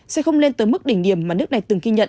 sẽ không lên tới mức đỉnh điểm mà nước này từng ghi nhận